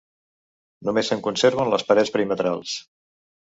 Només se'n conserven les parets perimetrals.